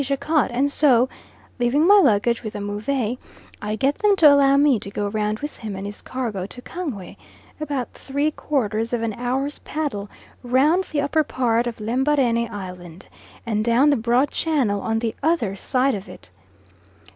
Jacot, and so, leaving my luggage with the Move, I get them to allow me to go round with him and his cargo to Kangwe, about three quarters of an hour's paddle round the upper part of Lembarene Island, and down the broad channel on the other side of it.